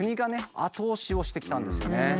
後押しをしてきたんですよね。